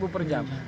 lima per jam